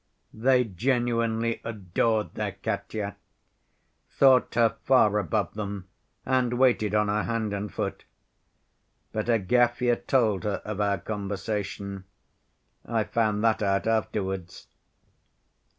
They genuinely adored their 'Katya,' thought her far above them, and waited on her, hand and foot. But Agafya told her of our conversation. I found that out afterwards.